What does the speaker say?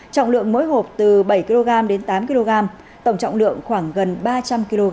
trọng lượng mỗi hộp từ bảy kg đến tám kg tổng trọng lượng khoảng gần ba trăm linh kg